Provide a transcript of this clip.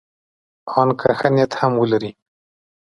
ان که ښه نیت هم ولري.